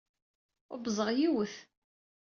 Ubẓeɣ yiwet.